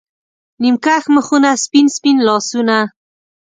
نیم کښ مخونه، سپین، سپین لاسونه